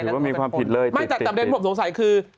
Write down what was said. แต่เดชน์ผลตัวผมสงสัยคือ